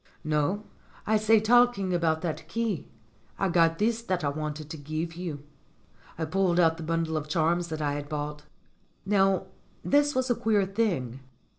"No. I say talking about that key I got this that I wanted to give you." I pulled out the bundle of charms that I had bought. Now this was a queer thing.